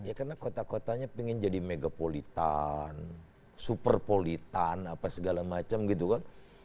ya karena kota kotanya ingin jadi megapolitan superpolitan apa segala macam gitu kan